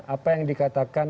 apa yang dikatakan